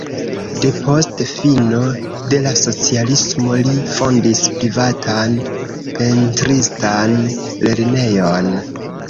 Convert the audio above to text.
Depost fino de la socialismo li fondis privatan pentristan lernejon.